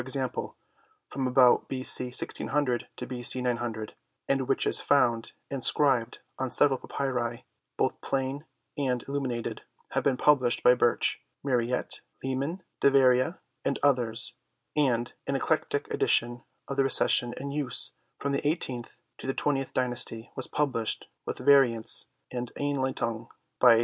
e., from about B. C. 1600 to B. C. 900, and which is found in scribed on several papyri, both plain and illuminated, have been published by Birch, Mariette, Leemans, De veria and others, and an eclectic edition of the Recen sion in use from the eighteenth to the twentieth dynasty was published with variants and Einleitung by M.